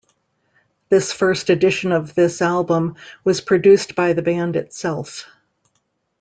This first edition of this album was produced by the band itself.